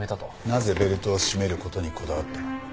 なぜベルトを締めることにこだわった。